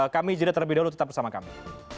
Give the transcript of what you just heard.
kami jeda terlebih dahulu tetap bersama kami